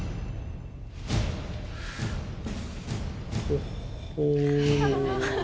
ほっほう。